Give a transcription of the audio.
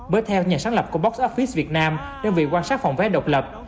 bởi theo nhà sáng lập của box office việt nam đơn vị quan sát phòng vé độc lập